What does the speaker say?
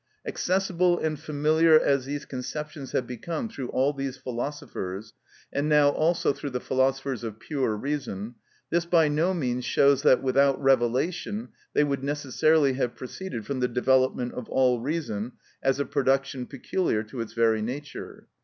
Accessible and familiar as these conceptions have become through all these philosophers, and now also through the philosophers of pure reason, this by no means shows that, without revelation, they would necessarily have proceeded from the development of all reason as a production peculiar to its very nature.